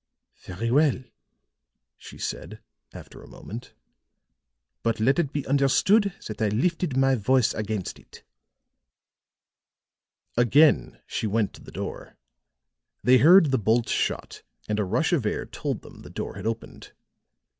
"Very well," she said, after a moment. "But let it be understood that I lifted my voice against it." Again she went to the door; they heard the bolt shot and a rush of air told them the door had opened.